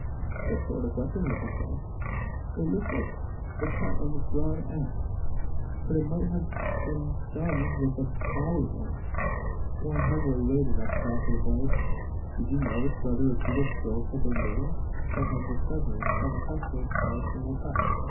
"What sort of weapon would you say?" "It looked like the cut of a broad axe; but it might have been done with a bowie knife; one heavily weighted at the back of the blade." "Did you notice whether repeated strokes had been given? Or had the severance been effected by a single cut?"